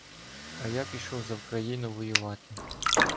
— А я пішов за Вкраїну воювати.